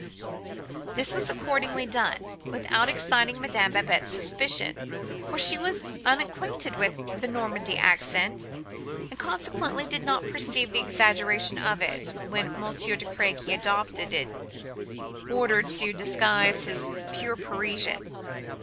This was accordingly done, without exciting Madame Babette's suspicions, for she was unacquainted with the Normandy accent, and consequently did not perceive the exaggeration of it which Monsieur de Crequy adopted in order to disguise his pure Parisian.